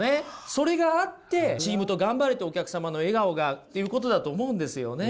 それがあってチームと頑張れてお客様の笑顔がっていうことだと思うんですよね。